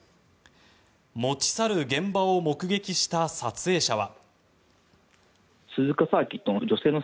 持ち去る現場を目撃した撮影者は。